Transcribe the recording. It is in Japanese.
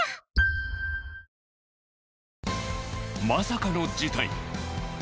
まさかの事態。